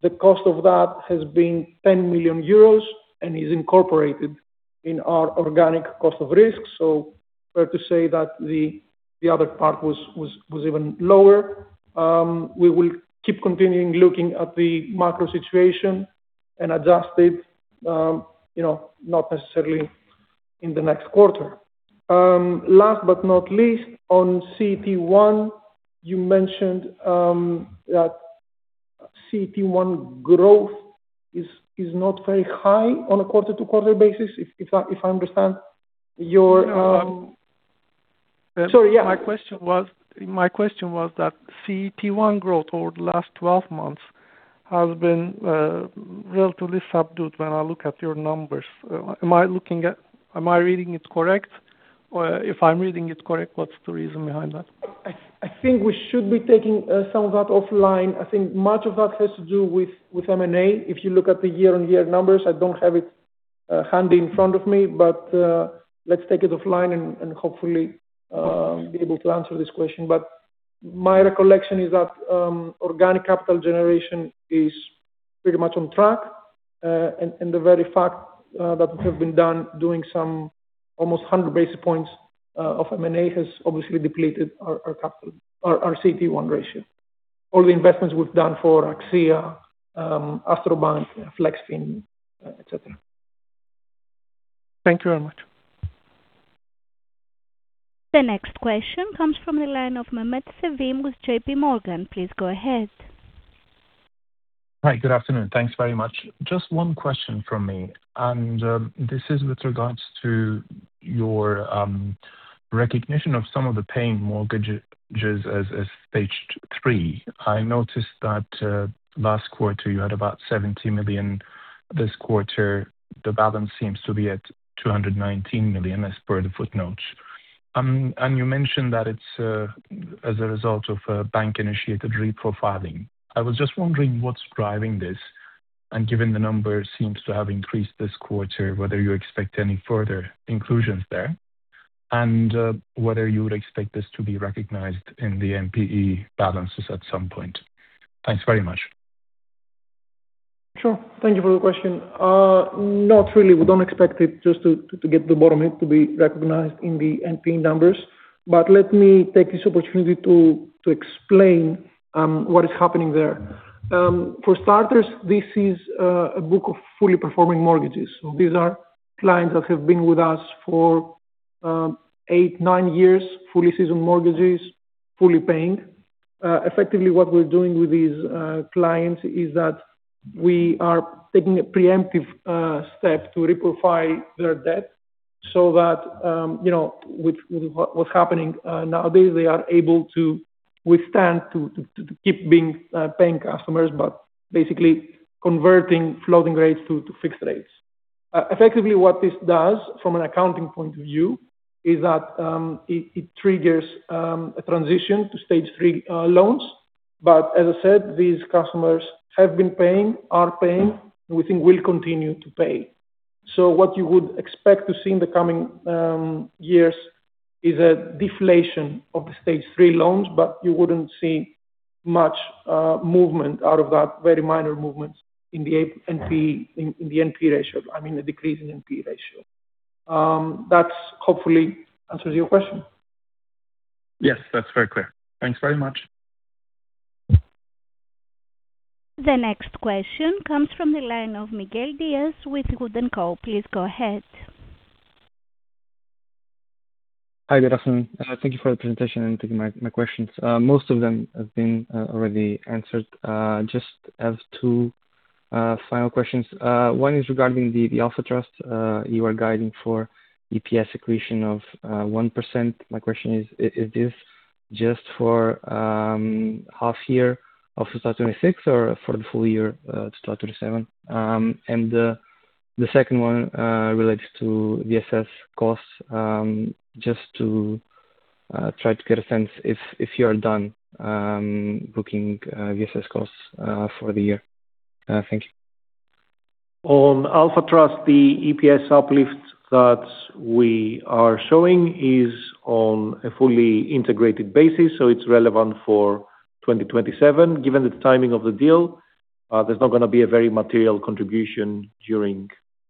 The cost of that has been 10 million euros and is incorporated in our organic cost of risk. Fair to say that the other part was even lower. We will keep continuing looking at the macro situation and adjust it, not necessarily in the next quarter. Last but not least, on CET1, you mentioned that CET1 growth is not very high on a quarter-to-quarter basis, if I understand your. No. Sorry, yeah. My question was that CET1 growth over the last 12 months has been relatively subdued when I look at your numbers. Am I reading it correct? If I'm reading it correct, what's the reason behind that? I think we should be taking some of that offline. I think much of that has to do with M&A. If you look at the year-on-year numbers, I don't have it handy in front of me, but let's take it offline and hopefully be able to answer this question. My recollection is that organic capital generation is pretty much on track. The very fact that we have been doing some almost 100 basis points of M&A has obviously depleted our CET1 ratio. All the investments we've done for AXIA, AstroBank, Flexfin, etc. Thank you very much. The next question comes from the line of Mehmet Sevim with JPMorgan. Please go ahead. Hi. Good afternoon. Thanks very much. Just one question from me. This is with regards to your recognition of some of the paying mortgages as Stage 3. I noticed that last quarter you had about 70 million. This quarter, the balance seems to be at 219 million as per the footnote. You mentioned that it's as a result of bank-initiated reprofiling. I was just wondering what's driving this. Given the number seems to have increased this quarter, whether you expect any further inclusions there and whether you would expect this to be recognized in the NPE balances at some point. Thanks very much. Sure. Thank you for the question. Not really. We don't expect it, just to get to the bottom of it, to be recognized in the NPE numbers. Let me take this opportunity to explain what is happening there. For starters, this is a book of fully performing mortgages. These are clients that have been with us for eight, nine years, fully seasoned mortgages, fully paying. Effectively, what we're doing with these clients is that we are taking a preemptive step to reprofile their debt so that with what's happening nowadays, they are able to withstand to keep paying customers but basically converting floating rates to fixed rates. Effectively, what this does from an accounting point of view is that it triggers a transition to Stage 3 loans. As I said, these customers have been paying, are paying, and we think will continue to pay. What you would expect to see in the coming years is a deflation of the Stage 3 loans, but you wouldn't see much movement out of that, very minor movements in the NPE ratio. I mean, a decrease in NPE ratio. That hopefully answers your question. Yes, that's very clear. Thanks very much. The next question comes from the line of Miguel Dias with WOOD & Co. Please go ahead. Hi, good afternoon. Thank you for the presentation and taking my questions. Most of them have been already answered. Just have two final questions. One is regarding the Alpha Trust you are guiding for EPS accretion of 1%. My question is this just for half year of 2026 or for the full year to 2027? The second one relates to VSS costs, just to try to get a sense if you are done booking VSS costs for the year. Thank you. On Alpha Trust, the EPS uplift that we are showing is on a fully integrated basis. It's relevant for 2027. Given the timing of the deal, there's not going to be a very material contribution during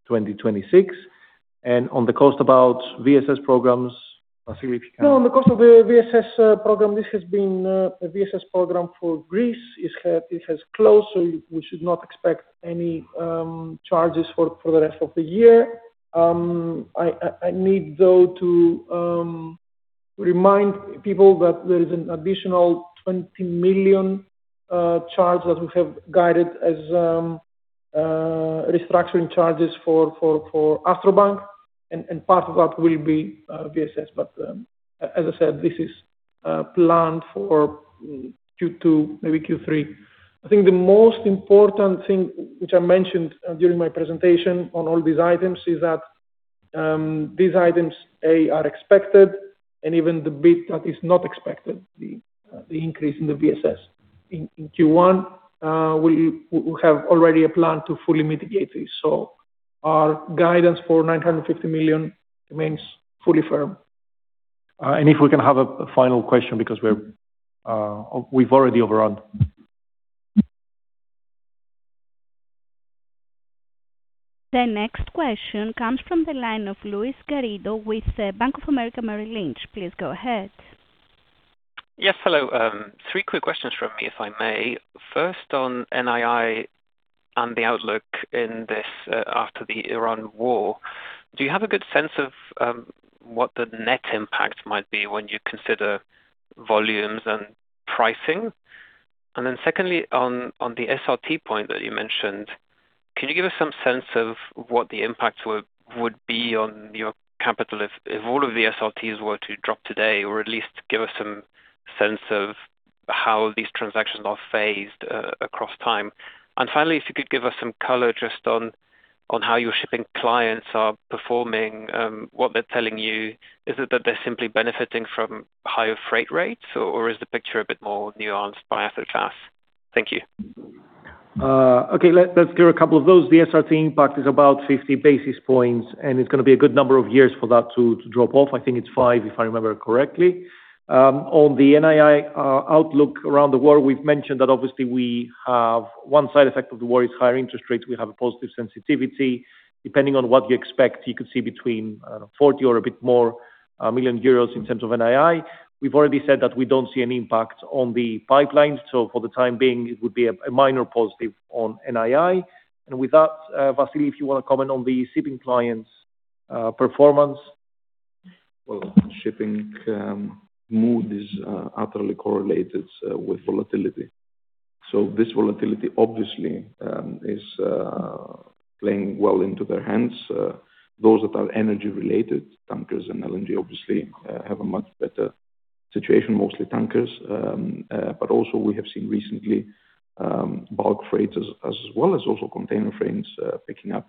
2026. On the cost about VSS programs, Vassilios, if you can. On the cost of the VSS program, this has been a VSS program for Greece. It has closed, we should not expect any charges for the rest of the year. I need, though, to remind people that there is an additional 20 million charge that we have guided as restructuring charges for AstroBank. Part of that will be VSS. As I said, this is planned for Q2, maybe Q3. I think the most important thing, which I mentioned during my presentation on all these items, is that these items, A, are expected, and even the bit that is not expected, the increase in the VSS in Q1, we have already a plan to fully mitigate this. Our guidance for 950 million remains fully firm. If we can have a final question because we've already overrun. The next question comes from the line of Luis Garrido with Bank of America Merrill Lynch. Please go ahead. Yes. Hello. Three quick questions from me, if I may. First, on NII and the outlook after the Iran war, do you have a good sense of what the net impact might be when you consider volumes and pricing? Secondly, on the SRT point that you mentioned, can you give us some sense of what the impacts would be on your capital if all of the SRTs were to drop today or at least give us some sense of how these transactions are phased across time? Finally, if you could give us some color just on how your shipping clients are performing, what they're telling you, is it that they're simply benefiting from higher freight rates, or is the picture a bit more nuanced by asset class? Thank you. Okay. Let's clear a couple of those. The SRT impact is about 50 basis points, and it's going to be a good number of years for that to drop off. I think it's five, if I remember correctly. On the NII outlook around the world, we've mentioned that obviously we have one side effect of the war is higher interest rates. We have a positive sensitivity. Depending on what you expect, you could see between, I don't know, 40 million or a bit more in terms of NII. We've already said that we don't see any impact on the pipeline. For the time being, it would be a minor positive on NII. With that, Vassilios, if you want to comment on the shipping clients' performance. Well, shipping mood is utterly correlated with volatility. This volatility obviously is playing well into their hands. Those that are energy-related, tankers and LNG, obviously have a much better situation, mostly tankers. Also we have seen recently bulk freights as well as also container freights picking up.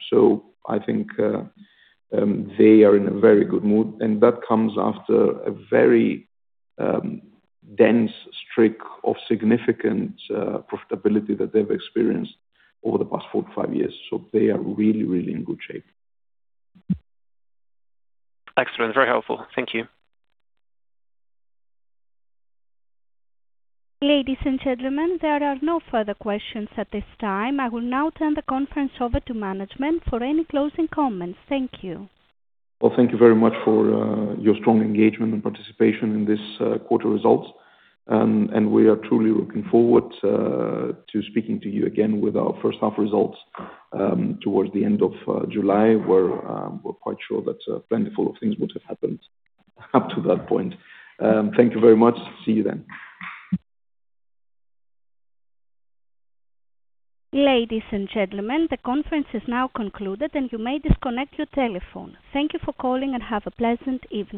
I think they are in a very good mood. That comes after a very dense streak of significant profitability that they've experienced over the past four to five years. They are really, really in good shape. Excellent. Very helpful. Thank you. Ladies and gentlemen, there are no further questions at this time. I will now turn the conference over to management for any closing comments. Thank you. Well, thank you very much for your strong engagement and participation in this quarter results. We are truly looking forward to speaking to you again with our first half results towards the end of July. We are quite sure that plentiful of things would have happened up to that point. Thank you very much. See you then. Ladies and gentlemen, the conference is now concluded, and you may disconnect your telephone. Thank you for calling and have a pleasant evening.